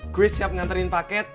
gue siap ngantrin paket